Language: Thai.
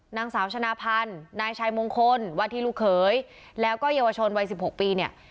นางสาวชนะพันธ์นายชายมงคลวาทีลูกเขยแล้วก็เยาวชนวัย๑๖ปีเนี่ย